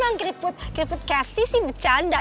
emang keriput keriput kasti sih bercanda